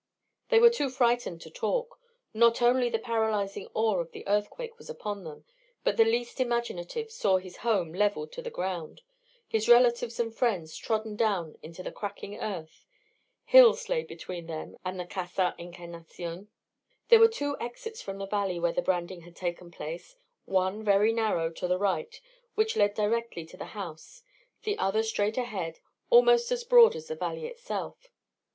They were too frightened to talk; not only the paralysing awe of the earthquake was upon them, but the least imaginative saw his home levelled to the ground, his relatives and friends trodden down into the cracking earth. Hills lay between them and the Casa Encarnacion. There were two exits from the valley where the branding had taken place: one, very narrow, to the right, which led directly to the house, the other straight ahead, almost as broad as the valley itself.